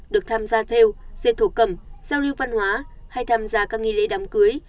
được tham gia theo dệt thổ cầm giao lưu văn hóa hay tham gia các nghi lễ đám cưới